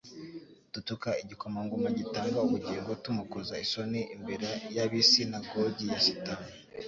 Dutuka igikomangoma gitanga ubugingo, tumukoza isoni imbere y'ab'isinagogi ya Satani